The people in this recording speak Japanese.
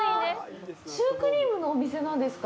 シュークリームのお店なんですか？